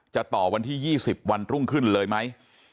ต่อวันที่๒๐วันรุ่งขึ้นเลยไหม